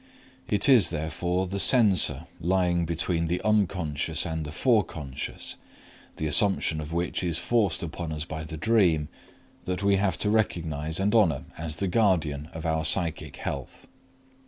It is, therefore, the censor lying between the Unc. and the Forec., the assumption of which is forced upon us by the dream, that we have to recognize and honor as the guardian of our psychic health.